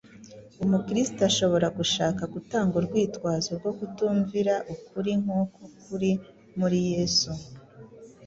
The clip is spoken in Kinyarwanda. Umukristo ashobora gushaka gutanga urwitwazo rwo kutumvira ukuri nk’uko kuri muri Yesu;